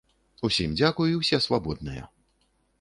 Усім дзякуй, усе свабодныя.